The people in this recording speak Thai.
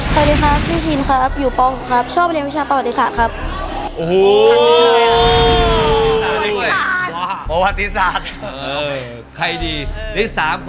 สวัสดีครับพี่ชินครับอยู่ป๖ครับชอบเรียนวิชาประวัติศาสตร์ครับ